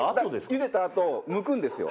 ゆでたあとむくんですよ